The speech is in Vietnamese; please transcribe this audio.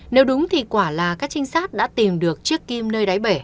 nếu đúng thì quả là các trinh sát đã tìm được chiếc kim nơi đáy bể